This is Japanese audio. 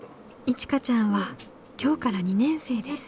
いちかちゃんは今日から２年生です。